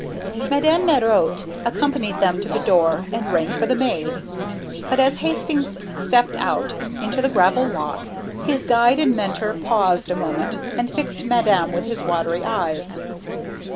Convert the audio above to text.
Madame Marotte accompanied them to the door and rang for the maid, but as Hastings stepped out into the gravel walk, his guide and mentor paused a moment and fixed Madame with his watery eyes.